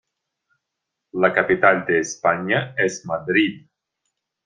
La capital de España, es Madrid.